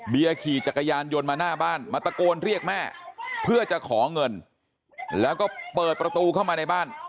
ขี่จักรยานยนต์มาหน้าบ้านมาตะโกนเรียกแม่เพื่อจะขอเงินแล้วก็เปิดประตูเข้ามาในบ้าน